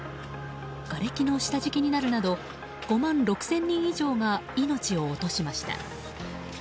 がれきの下敷きになるなど５万６０００人以上が命を落としました。